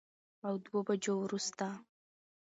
او دوو بجو وروسته